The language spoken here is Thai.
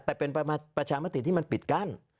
แต่เป็นประชามติที่มันปิดกั้น